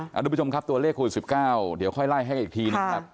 แล้วคุณผู้ชมตัวเลข๑๙เดี๋ยวค่อยไล่ให้อีกทีนะครับ